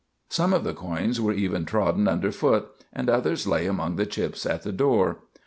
Some of the coins were even trodden under foot, and others lay among the chips at the door.